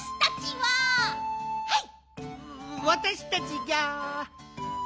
はい。